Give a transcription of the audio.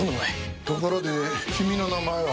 ところで君の名前は？